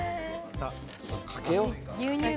かけよう。